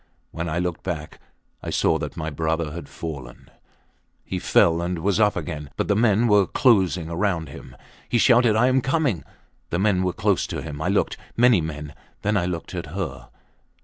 When I looked back I saw that my brother had fallen. He fell and was up again, but the men were closing round him. He shouted, I am coming! The men were close to him. I looked. Many men. Then I looked at her.